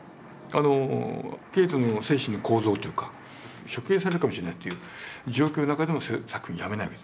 ケーテの精神の構造というか処刑されるかもしれないという状況の中でも作品をやめない。